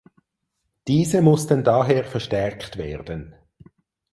Diese mussten daher verstärkt werden.